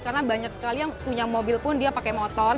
karena banyak sekali yang punya mobil pun dia pakai motor